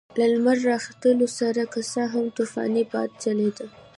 له لمر راختلو سره که څه هم طوفاني باد چلېده.